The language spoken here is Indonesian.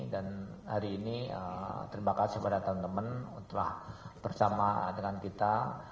dan hari ini terima kasih kepada teman teman telah bersama dengan kita